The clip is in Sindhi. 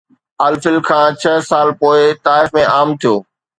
الفل کان ڇهه سال پوءِ طائف ۾ عام ٿيو